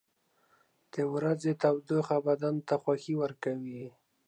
• د ورځې تودوخه بدن ته خوښي ورکوي.